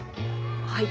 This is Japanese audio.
はい。